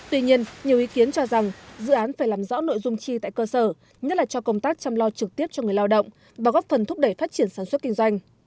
tuy nhiên nhiều ý kiến cho rằng dự án phải làm rõ nội dung chi tại cơ sở nhất là cho công tác chăm lo trực tiếp cho người lao động và góp phần thúc đẩy phát triển sản xuất kinh doanh